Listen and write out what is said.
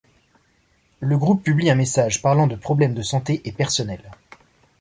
Le groupe publie un message parlant de problèmes de santé et personnelles.